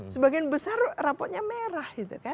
sebagian besar rapotnya merah gitu kan